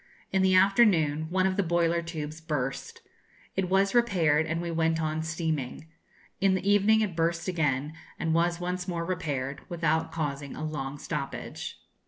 In the afternoon one of the boiler tubes burst. It was repaired, and we went on steaming. In the evening it burst again, and was once more repaired, without causing a long stoppage.